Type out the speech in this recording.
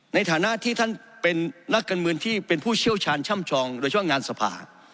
ในฐานะที่ท่านเป็นนักการเมืองที่เป็นผู้เชี่ยวชาญช่ำชองโดยเฉพาะงานสภา